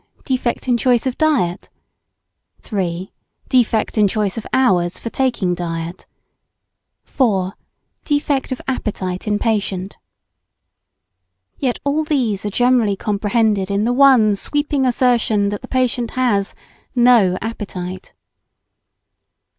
Defect in choice of diet; 3. Defect in choice of hours for taking diet; 4. Defect of appetite in patient. Yet all these are generally comprehended in the one sweeping assertion that the patient has "no appetite."